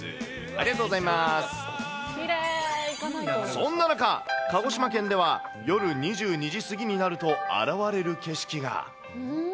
そんな中、鹿児島県では、夜２２時過ぎになると現れる景色が。